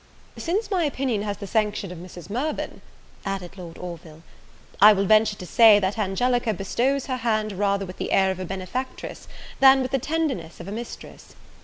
"Since my opinion has the sanction of Mrs. Mirvan," added Lord Orville, "I will venture to say, that Angelica bestows her hand rather with the air of a benefactress, than with the tenderness of a mistress.